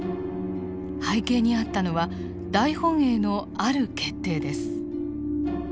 背景にあったのは大本営のある決定です。